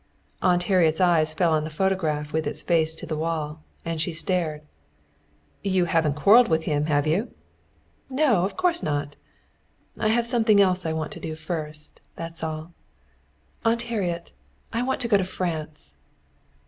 Aunt Harriet's eyes fell on the photograph with its face to the wall, and she started. "You haven't quarreled with him, have you?" "No, of course not! I have something else I want to do first. That's all. Aunt Harriet, I want to go to France."